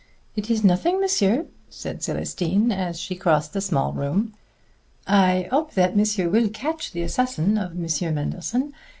"It is nothing, monsieur," said Célestine, as she crossed the small room. "I hope that monsieur will catch the assassin of Monsieur Manderson....